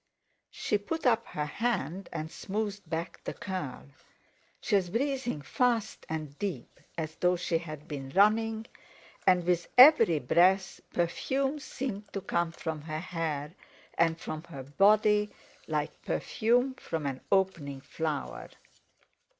She put up her hand and smoothed back the curl. She was breathing fast and deep, as though she had been running, and with every breath perfume seemed to come from her hair, and from her body, like perfume from an opening flower.